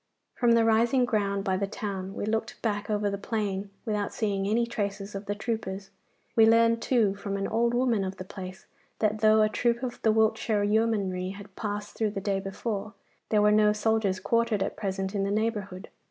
From the rising ground by the town we looked back over the plain without seeing any traces of the troopers. We learned, too, from an old woman of the place, that though a troop of the Wiltshire Yeomanry had passed through the day before, there were no soldiers quartered at present in the neighbourhood.